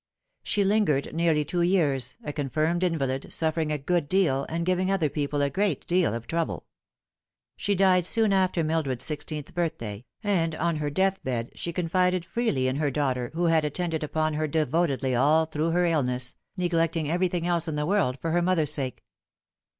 She lingered nearly two years, a confirmed invalid, suffering a good deal, and giving other people a great deal of trouble. She died soon after Mildred's sixteenth birthday, and on her death bed she confided freely in her daughter, who had attended upon her devotedly all through her illness, neglecting every thing else in the world for her mother's sake.